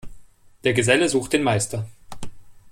Der Geselle sucht den Meister.